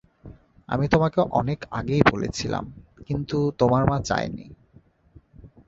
আমি তোমাকে অনেক আগে বলছিলাম, কিন্তু তোমার মা চায়নি।